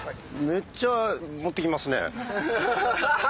めっちゃ持ってきますね。